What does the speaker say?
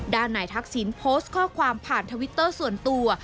นายทักษิณโพสต์ข้อความผ่านทวิตเตอร์ส่วนตัว